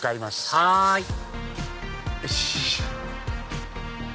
はいよし！